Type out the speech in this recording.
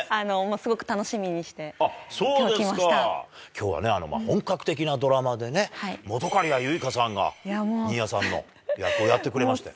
すごく楽しみにして、あっ、そうですか。きょうはね、本格的なドラマでね、本仮屋ユイカさんが、新谷さんの役をやってくれましたよ。